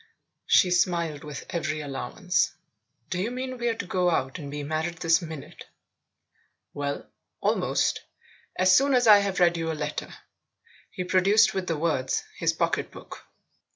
She smiled with every allowance. "Do you mean we're to go out and be married this minute ?"" Well almost ; as soon as I've read you a letter." He produced, with the words, his pocket book.